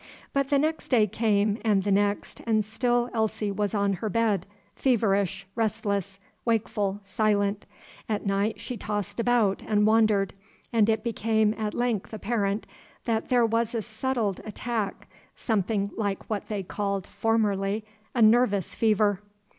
But the next day came, and the next, and still Elsie was on her bed, feverish, restless, wakeful, silent. At night she tossed about and wandered, and it became at length apparent that there was a settled attack, something like what they called, formerly, a "nervous fever."